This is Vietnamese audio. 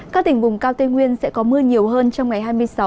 các tỉnh vùng cao tây nguyên sẽ có mưa nhiều hơn trong ngày hai mươi sáu hai mươi bảy